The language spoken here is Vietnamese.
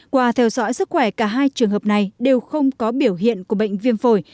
qua theo dõi sức khỏe cả hai trường hợp này đều không có biểu hiện của bệnh viêm phổi